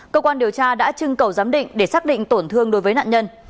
cơ quan điều tra đã trưng cầu giám định để xác định tổn thương đối với nạn nhân